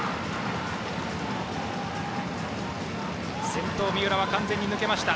先頭、三浦は完全に抜けました。